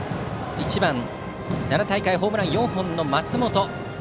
１番、奈良大会ホームラン４本の松本。